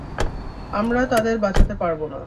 আমরা তাদের বাঁচাতে পারব না।